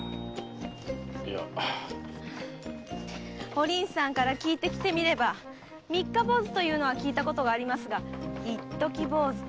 お凛さんから聞いて来てみれば三日坊主というのは聞いたことがありますが一時坊主とはねぇ。